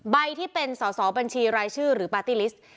ที่เป็นสอสอบัญชีรายชื่อหรือปาร์ตี้ลิสต์